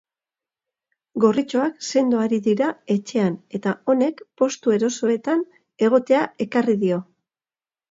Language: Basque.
Gorritxoak sendo ari dira etxean eta honek postu erosoetan egotea ekarri dio.